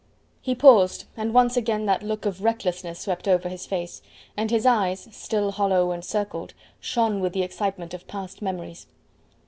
He paused, and once again that look of recklessness swept over his face, and his eyes still hollow and circled shone with the excitement of past memories.